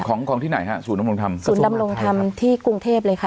ของของที่ไหนฮะศูนยำรงธรรมศูนย์ดำรงธรรมที่กรุงเทพเลยค่ะ